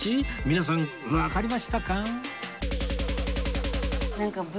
皆さんわかりましたか？